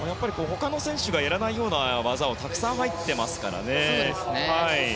他の選手がやらないような技も入っていますから。